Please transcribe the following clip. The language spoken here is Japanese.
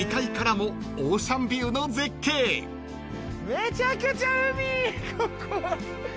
めちゃくちゃ海ここ。